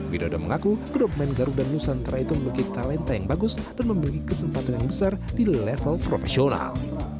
widodo mengaku kedua pemain garuda nusantara itu memiliki talenta yang bagus dan memiliki kesempatan yang besar di level profesional